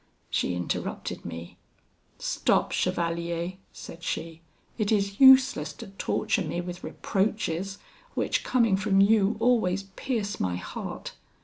"She interrupted me. 'Stop, chevalier,' said she, 'it is useless to torture me with reproaches, which, coming from you, always pierce my heart.